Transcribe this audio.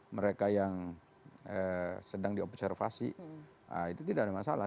mereka yang sedang diobservasi itu tidak ada masalah